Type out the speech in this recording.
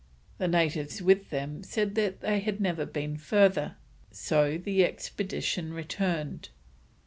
The natives with them said they had never been further, so the expedition returned.